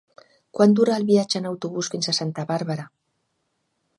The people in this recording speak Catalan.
Quant dura el viatge en autobús fins a Santa Bàrbara?